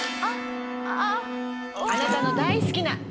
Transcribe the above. あなたの大好きな。